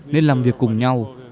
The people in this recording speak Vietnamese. nên làm việc cùng nhau